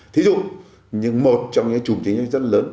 thí dụ một trong những chủng chính rất lớn